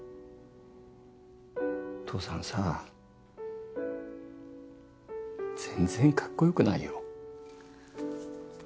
父さんさ全然かっこよくないよ。